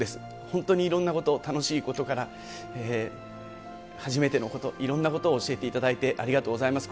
本当にいろんなこと、楽しいことから、初めてのこと、いろんなことを教えていただいて、ありがとうございます。